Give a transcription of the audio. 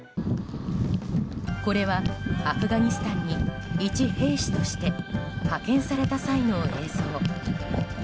これはアフガニスタンに一兵士として派遣された際の映像。